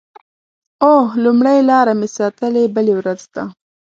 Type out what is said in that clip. اوه…لومړۍ لاره مې ساتلې بلې ورځ ته